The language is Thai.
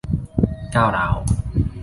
ก้าวร้าว